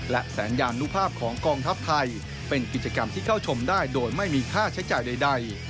และสัญญาณุภาพของกองทัพไทยเป็นกิจกรรมที่เข้าชมได้โดยไม่มีค่าใช้จ่ายใด